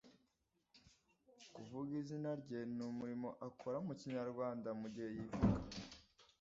kuvuga izina rye n‘umurimo akora mu kinyarwanda mu gihe yivuga.